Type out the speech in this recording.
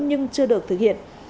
nhưng chưa được thực hiện